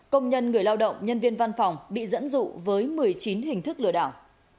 công nhân người lao động nhân viên văn phòng bị dẫn dụ với một mươi chín hình thức lừa đảo